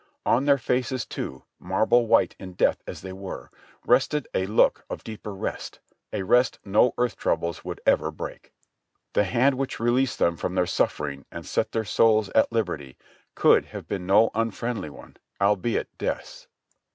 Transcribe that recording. On their faces, too, marble wdiite in death as they were, rested a look of deeper rest, a rest no earth troubles would ever break. The hand which released them from their suffering and set their souls at liberty could have been no unfriendly one, albeit Death's.